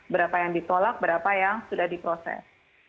berapa yang ditolak berapa yang sudah diproses